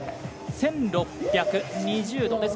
１６２０度。